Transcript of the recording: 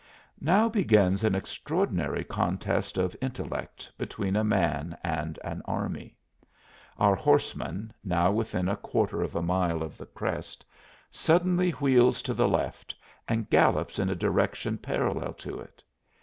Now begins an extraordinary contest of intellect between a man and an army. Our horseman, now within a quarter of a mile of the crest, suddenly wheels to the left and gallops in a direction parallel to it.